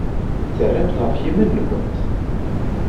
Terramt ɣef yiman-nwent.